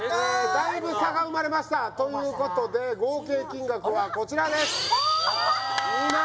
だいぶ差が生まれましたということで合計金額はこちらですああ